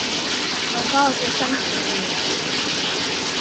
W'ambao w'echamselia.